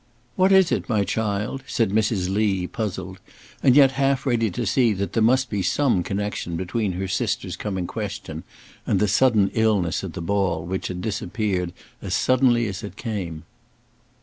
"What is it, my child?" said Mrs. Lee, puzzled, and yet half ready to see that there must be some connection between her sister's coming question and the sudden illness at the ball, which had disappeared as suddenly as it came.